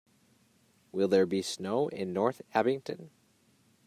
Will there be snow in North Abington